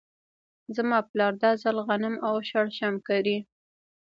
زما پلار دا ځل غنم او شړشم کري.